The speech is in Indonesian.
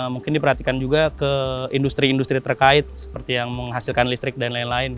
mungkin diperhatikan juga ke industri industri terkait seperti yang menghasilkan listrik dan lain lain